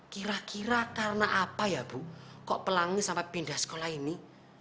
kira kira karena apa ya bu kok pelangi sampai pindah sekolah ini